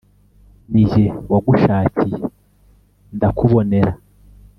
nijye wagushakiye ndakubonera,